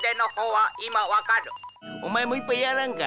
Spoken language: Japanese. お前も１杯やらんか？